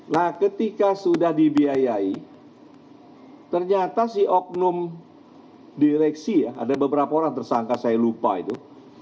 nah ketika sudah dibiayai ternyata si oknum direksi ya ada beberapa orang tersangka saya lupa itu